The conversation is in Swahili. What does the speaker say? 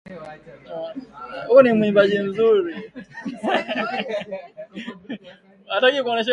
Jamuhuri ya kidemokrasaia ya Kongo yatoa ushahidi